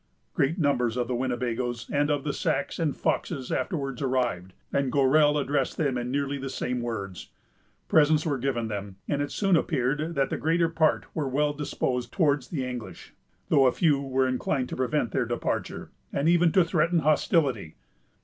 Great numbers of the Winnebagoes and of the Sacs and Foxes afterwards arrived, and Gorell addressed them in nearly the same words. Presents were given them, and it soon appeared that the greater part were well disposed towards the English, though a few were inclined to prevent their departure, and even to threaten hostility.